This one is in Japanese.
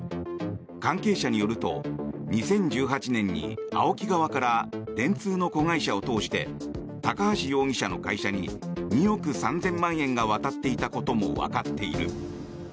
関係者によると２０１８年にＡＯＫＩ側から電通の子会社を通して高橋容疑者の会社に２億３０００万円が渡っていたこともわかっている。